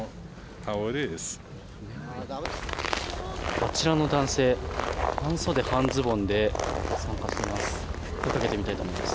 あちらの男性半袖半ズボンで参加しています。